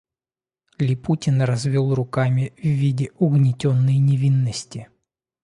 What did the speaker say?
Липутин развел руками в виде угнетенной невинности.